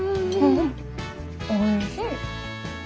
おいしい。